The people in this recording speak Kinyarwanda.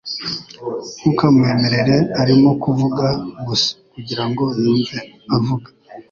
Ntukamwemere Arimo kuvuga gusa kugirango yumve avuga